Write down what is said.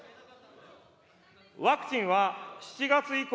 ワクチンは７月以降、